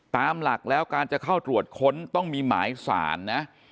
ตามหลักแล้วการจะเข้าตรวจค้นต้องมีหมายสารนะ